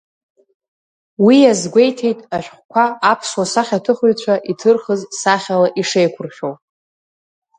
Уи иазгәеиҭеит ашәҟәқәа аԥсуа сахьаҭыхҩцәа иҭырхыз сахьала ишеиқәыршәоу.